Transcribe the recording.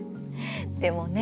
でもね